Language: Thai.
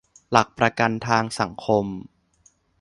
หลักประกันทางสังคม